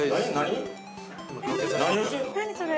◆何それ？